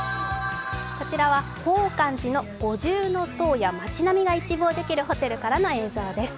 こちらは法観寺の五重搭や街並みが一望できるホテルからの映像です。